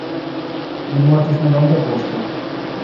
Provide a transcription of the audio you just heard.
Li mortis nelonge poste.